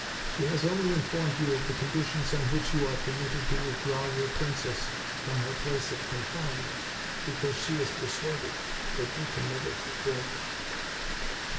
She has only in formed you of the conditions on which you are permitted to withdraw your princess from her place of confinement, because she is persuaded that you can never fulfill them."